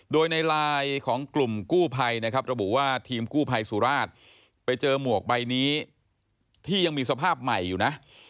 โดยในไลน์ของกลุ่มกู้ภัยนะครับระบุว่าทีมกู้ภัยสุราชไปเจอหมวกใบนี้ที่ยังมีสภาพใหม่อยู่นะ